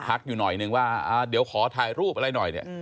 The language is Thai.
อยู่หน่อยนึงว่าเดี๋ยวขอถ่ายรูปอะไรหน่อยเนี่ย